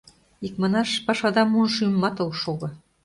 Икманаш, пашада муно шӱмымат ок шого.